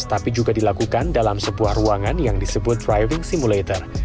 tapi juga dilakukan dalam sebuah ruangan yang disebut driving simulator